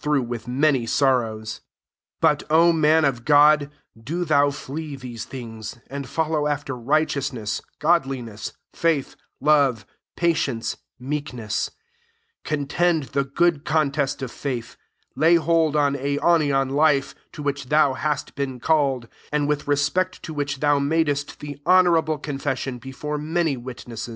S4£ Z TIMOTHY L 11 But, O man of God, do thou flee these Mng9 ; and fol low after righteousness^ godli* nessy faith, love, patience, meek ness, 1£ Contend the good con test of faith; lay hold on aionian life, to which thou hast been called, and with respect to which thou madest the honourable confession before many witnes ses.